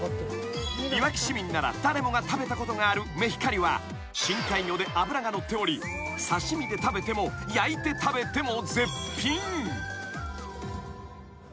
［いわき市民なら誰もが食べたことがあるメヒカリは深海魚で脂が乗っており刺し身で食べても焼いて食べても］